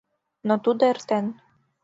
Но тудо эртен.